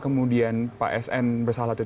kemudian pak sn bersalah itu